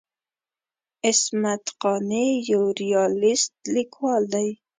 عصمت قانع یو ریالیست لیکوال دی.